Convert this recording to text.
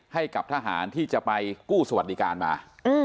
ให้กับทหารที่จะไปกู้สวัสดิการมา